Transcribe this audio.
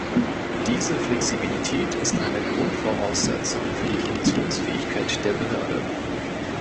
Diese Flexibilität ist eine Grundvoraussetzung für die Funktionsfähigkeit der Behörde.